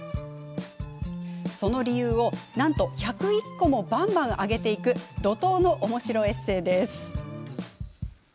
その理由をなんと１０１個もばんばん挙げていく怒とうのおもしろエッセーです。